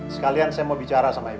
sekalian saya mau bicara sama ibu